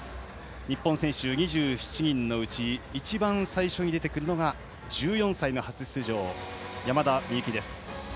日本選手、２７人のうち一番最初に出てくるのが１４歳の初出場、山田美幸。